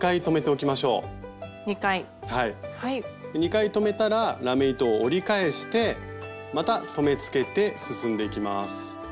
２回留めたらラメ糸を折り返してまた留めつけて進んでいきます。